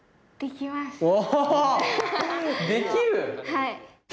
はい。